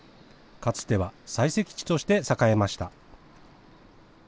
かつては採石地として栄えました。